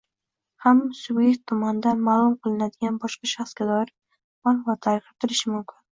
hamda subyekt tomonidan ma’lum qilinadigan boshqa shaxsga doir ma’lumotlar kiritilishi mumkin.